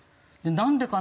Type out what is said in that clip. なんでかな？